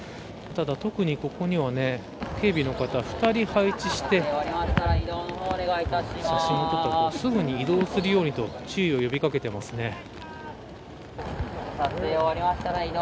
ただ特に、ここには警備の方、２人配置して写真を撮ったらすぐに移動するようにと注意を呼び掛けていますね。